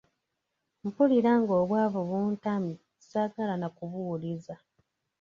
Mpulira obwavu buntamye saagala na kubuwuliza.